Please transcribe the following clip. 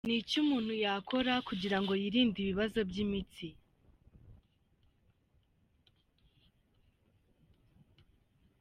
Ni iki umuntu yakora kugira ngo yirinde ibibazo by’imitsi?.